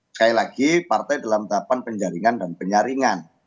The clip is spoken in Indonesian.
sekali lagi partai dalam tahapan penjaringan dan penyaringan